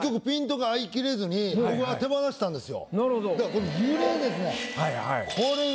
この「ゆれ」ですね。